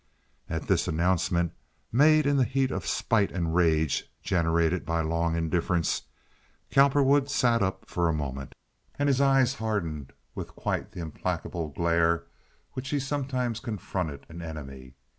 At this announcement, made in the heat of spite and rage generated by long indifference, Cowperwood sat up for a moment, and his eyes hardened with quite that implacable glare with which he sometimes confronted an enemy.